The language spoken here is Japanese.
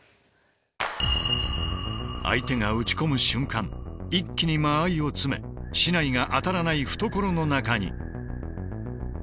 相手が打ち込む瞬間一気に間合いをつめ竹刀が当たらない懐の中に。